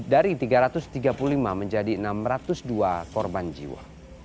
dari tiga ratus tiga puluh lima menjadi enam ratus dua korban jiwa